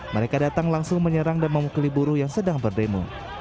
mereka datang langsung menyerang dan memukul buruh yang sedang berdemo